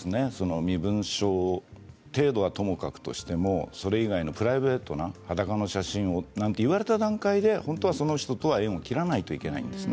身分証程度はともかくとしてプライベートの裸の写真と言われた段階で本当はその人とは縁を切らないといけないんです。